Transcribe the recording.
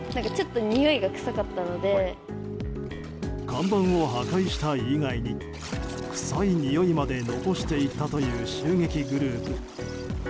看板を破壊した以外に臭いにおいまで残していったという襲撃グループ。